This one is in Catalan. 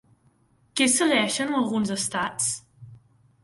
Què segueixen alguns estats?